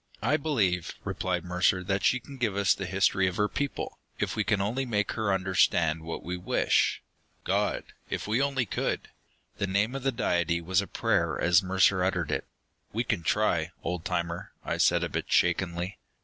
"I believe," replied Mercer, "that she can give us the history of her people, if we can only make her understand what we wish. God! If we only could!" The name of the Deity was a prayer as Mercer uttered it. "We can try, old timer," I said, a bit shakenly.